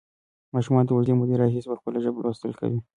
ماشومان له اوږدې مودې راهیسې په خپله ژبه لوستل کوي.